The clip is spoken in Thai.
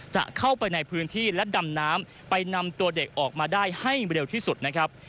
จะเข้าไปในพื้นที่และดำน้ำไปนำตัวเด็กออกมาได้ให้เร็วที่สุดนะครับ